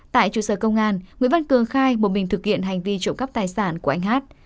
tại trụ sở công an nguyễn văn cường khai một mình thực hiện hành vi trộm cắp tài sản của anh hát